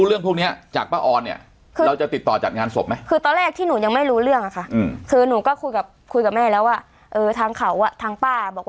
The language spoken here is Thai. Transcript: เราก็เลยอยากจัดงานศพให้พ่อ